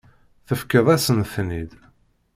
Tefkiḍ-asen-ten-id.